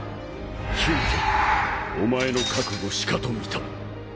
ヒュンケルお前の覚悟しかと見た。